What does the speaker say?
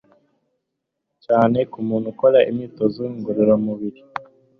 cyane ku muntu ukora imyitozo ngororamibiri.